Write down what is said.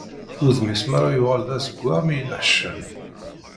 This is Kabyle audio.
Udem-is merra yuɣal d azewwaɣ mi yenneḥcam.